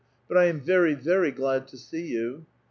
But I am very, very glad to see you."